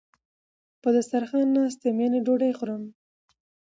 په دسترخان ناست یم یعنی ډوډی خورم